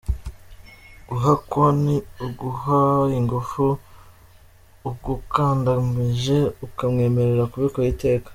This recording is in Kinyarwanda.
Guhakwa ni uguha ingufu ugukandamije ukamwemerera kubikora iteka.